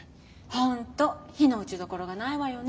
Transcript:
本当非の打ち所がないわよね